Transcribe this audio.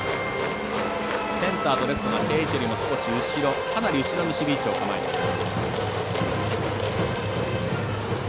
センターとレフトが定位置よりもかなり後ろに守備位置を構えています。